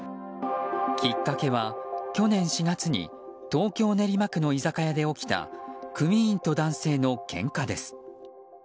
きっかけは去年４月に東京・練馬区の居酒屋で起きた組員と男性のけんかです。